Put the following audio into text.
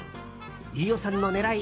飯尾さんの狙い